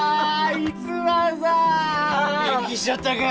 元気しちょったか？